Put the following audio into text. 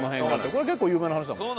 これ結構有名な話だもんね。